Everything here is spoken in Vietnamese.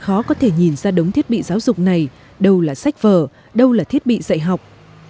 khó có thể nhìn ra đống thiết bị giáo dục này đâu là sách vở đâu là thiết bị dạy học